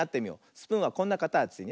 スプーンはこんなかたちね。